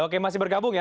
oke masih bergabung ya